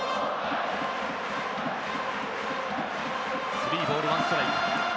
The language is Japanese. ３ボール１ストライク。